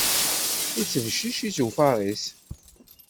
Ittbeccic ijufaṛ-is.